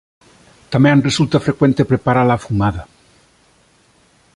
Tamén resulta frecuente preparala afumada.